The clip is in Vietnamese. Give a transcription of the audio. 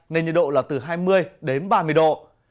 nên nhiệt độ là từ hai mươi đến ba mươi độ